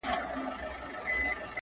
مجرم د غلا خبري پټي ساتي.